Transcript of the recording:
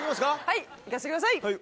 はいいかせてください。